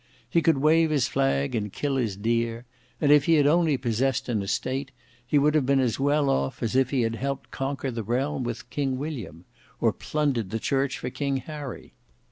He could wave his flag and kill his deer; and if he had only possessed an estate, he would have been as well off as if he had helped conquer the realm with King William, or plundered the church for King Harry.